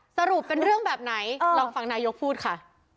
สรุปเป็นเรื่องแบบไหนลองฟังนายกพูดค่ะ